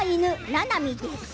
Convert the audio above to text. ななみです。